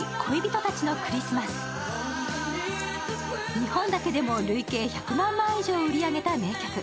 日本だけでも累計１００万枚以上売り上げた名曲。